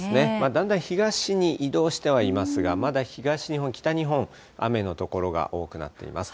だんだん東に移動してはいますが、まだ東日本、北日本、雨の所が多くなっています。